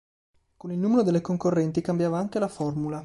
Con il numero delle concorrenti, cambiava anche la formula.